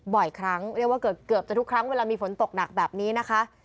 บ่อยครั้งเรียกว่าเกือบจะทุกครั้งเวลามีฝนตกหนักแบบนี้นะคะ